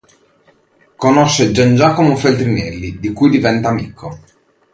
Conosce Giangiacomo Feltrinelli, di cui diventa amico.